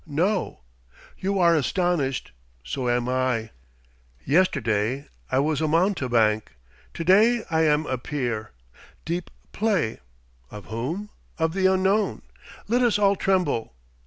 No. You are astonished. So am I. Yesterday I was a mountebank; to day I am a peer. Deep play. Of whom? Of the Unknown. Let us all tremble.